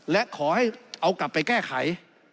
และขอให้เอากลับไปแก้ไข